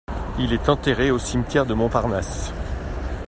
Il est enterré au Cimetière du Montparnasse.